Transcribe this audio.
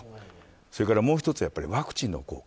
それからもう１つはワクチンの効果